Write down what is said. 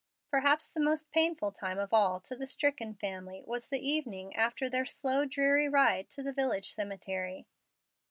Perhaps the most painful time of all to the stricken family was the evening after their slow, dreary ride to the village cemetery.